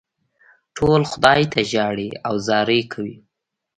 ټول خدای ته ژاړي او زارۍ کوي.